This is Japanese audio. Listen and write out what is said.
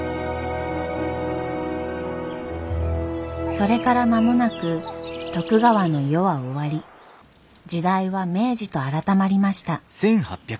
それから間もなく徳川の世は終わり時代は「明治」と改まりました。